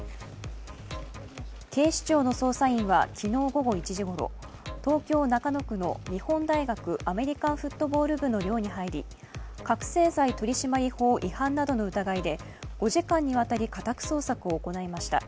警視庁の捜査員は昨日午後１時ごろ、東京・中野区の日本大学アメリカンフットボール部の寮に入り覚醒剤取締法違反などの疑いで５時間にわたり家宅捜索を行いました。